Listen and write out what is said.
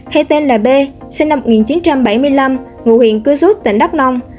hay tên là b sinh năm một nghìn chín trăm bảy mươi năm ngụ huyện cư rút tỉnh đắk nông